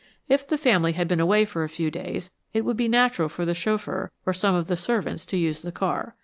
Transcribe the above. If the family had been away for a few days, it would be natural for the chauffeur, or some of the servants, to use the car.